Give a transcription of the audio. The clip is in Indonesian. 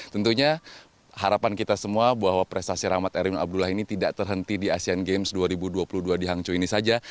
tentunya harapan kita semua bahwa prestasi rahmat erwin abdullah ini tidak terhenti di asean games dua ribu dua puluh dua di hangzhou ini saja